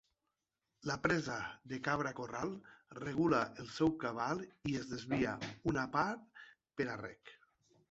La presa de Cabra Corral regula el seu cabal i en desvia una par per a rec.